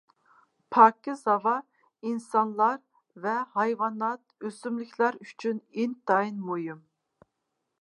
پاكىز ھاۋا ئىنسانلار ۋە ھايۋانات، ئۆسۈملۈكلەر ئۈچۈن ئىنتايىن مۇھىم.